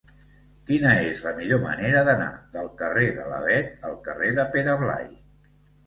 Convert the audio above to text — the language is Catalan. Quina és la millor manera d'anar del carrer de l'Avet al carrer de Pere Blai?